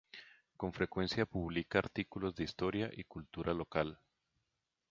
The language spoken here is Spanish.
Con frecuencia publica artículos de historia y cultura local.